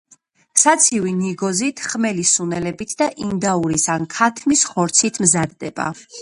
საცივი ნიგოზით, ხმელი სუნელებით და ინდაურის ან ქათმის ხორცით მზადდება.